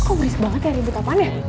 kok berisik banget ya ribet apaan ya